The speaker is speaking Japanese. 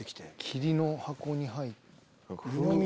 桐の箱に入って。